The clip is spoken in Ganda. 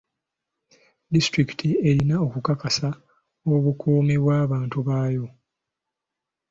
Disitulikiti erina okukakasa obukuumi bw'abantu baayo.